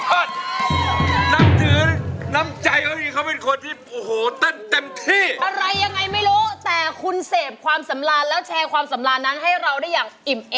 โอ้โหสุดยอดเลยสิคุณแผนสุดยอดสิคุณแผน